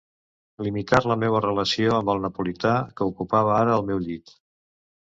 Limitar la meua relació amb el napolità que ocupava ara el meu llit.